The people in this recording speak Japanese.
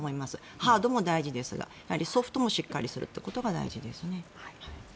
ハードも大事ですがやはりソフトもしっかりすることが大事ですね。